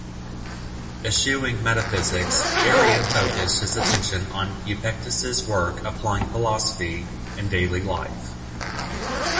Eschewing metaphysics, Arrian focused his attention on Epictetus's work applying philosophy in daily life.